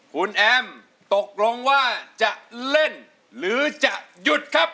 คุณแอมตกลงว่าจะเล่นหรือจะหยุดครับ